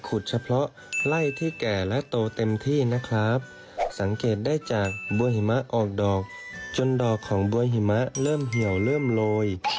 รสชาติดีกรอบอร่อย